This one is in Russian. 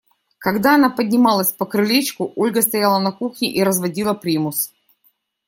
Когда она поднималась по крылечку, Ольга стояла на кухне и разводила примус.